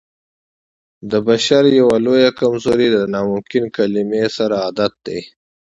د بشر يوه لويه کمزوري د ناممکن کلمې سره عادت دی.